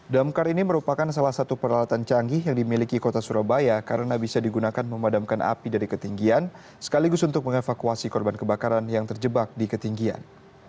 damkar ini merupakan salah satu peralatan canggih yang dimiliki kota surabaya karena bisa digunakan memadamkan api dari ketinggian sekaligus untuk mengevakuasi korban kebakaran yang terjebak di ketinggian